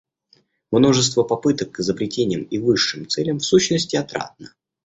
Множество попыток к изобретениям и высшим целям, в сущности, отрадно.